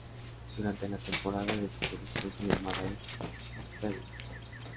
Durante la temporada de reproducción su llamada es un"peewit".